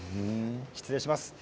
失礼します。